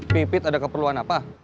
pipit ada keperluan apa